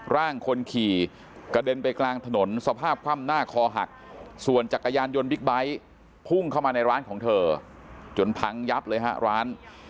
ร่างคนขี่กระเด็นไปกลางถนนสภาพคว่ำหน้าคอหักส่วนจักรยานยนต์บิ๊กไบท์พุ่งเข้ามาในร้านของเธอจนพังยับเลยฮะร้าน